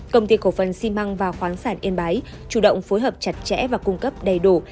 công ty cổ phần xi măng và khoáng sản yên bái chủ động phối hợp chặt chẽ và cung cấp đầy đủ